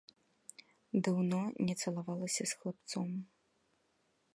Даўно не цалавалася з хлапцом.